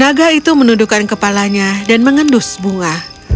naga itu menundukkan kepalanya dan mengendus bunga